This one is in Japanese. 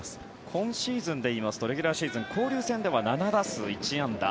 今シーズンでいいますとレギュラーシーズン、交流戦では７打数１安打。